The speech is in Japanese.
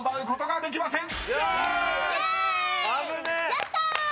やった！